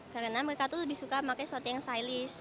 karena mereka tuh lebih suka pakai sepatu yang stylish